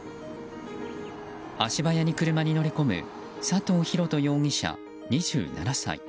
足早に車に乗り込む佐藤寛人容疑者、２７歳。